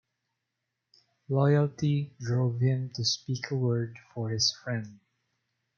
Loyalty drove him to speak a word for his friend.